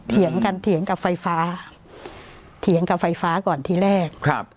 เถียงกันเถียงกับไฟฟ้าเถียงกับไฟฟ้าก่อนที่แรกครับ